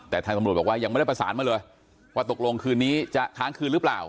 แต่ทางตำรวจบอกว่ายังไม่ได้ประสานมาเลยว่าตกลงคืนนี้จะค้างคืนหรือเปล่า